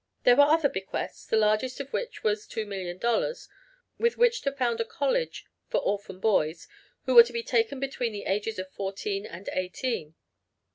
There were other bequests, the largest of which was $2,000,000, with which to found a college for orphan boys who were to be taken between the ages of fourteen and eighteen.